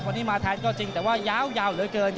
วันนี้มาแทนก็จริงแต่ว่ายาวเหลือเกิน